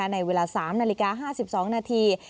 ในเวลา๓นาฬิกา๕๒นาที